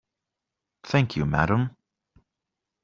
Thank you, madam.